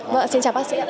vâng xin chào bác sĩ